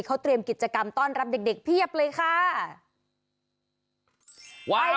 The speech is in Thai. เขาเตรียมกิจกรรมต้อนรับเด็กเวลาเลย